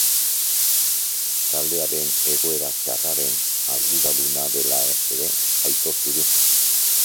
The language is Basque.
Taldearen egoera txarraren arduraduna dela ere, aitortu du.